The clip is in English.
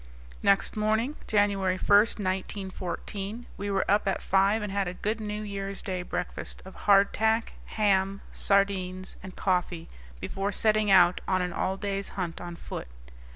Next morning, January 1, 1914, we were up at five and had a good New Year's Day breakfast of hardtack, ham, sardines, and coffee before setting out on an all day's hunt on foot.